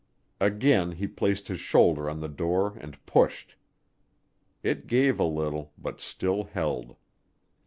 Again he placed his shoulder to the door and pushed. It gave a trifle, but still held.